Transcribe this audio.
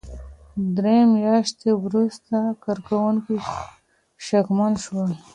درې مياشتې وروسته کارکوونکي شکمن شول.